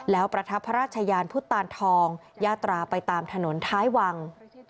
แล้วประทับพระราชยานพุทธตานทองยาตราไปตามถนนท้ายวัง